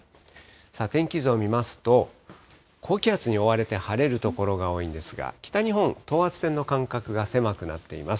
さあ、天気図を見ますと、高気圧に覆われて晴れる所が多いんですが、北日本、等圧線の間隔が狭くなっています。